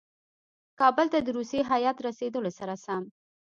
کابل ته د روسي هیات رسېدلو سره سم.